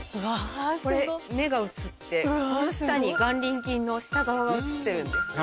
これ目が写ってこの下に眼輪筋の下側が写ってるんです。